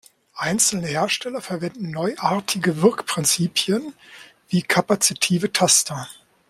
Einzelne Hersteller verwenden neuartige Wirkprinzipien wie kapazitive Taster.